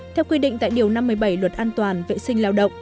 theo quy định tại điều năm mươi bảy luật an toàn vệ sinh lao động